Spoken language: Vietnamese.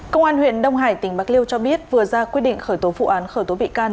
công an huyện đông hải tỉnh bạc liêu cho biết vừa ra quyết định khởi tố vụ án khởi tố bị can